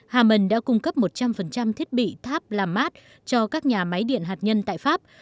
haman đã cung cấp một trăm linh thiết bị tháp làm mát cho các nhà máy điện hạt nhân tại pháp